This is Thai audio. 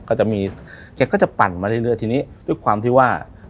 ก็จะมีแกก็จะปั่นมาเรื่อยทีนี้ด้วยความที่ว่า